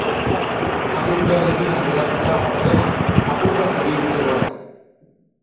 Apirilarekin alderatuta, ordea, apur bat egin dute gora.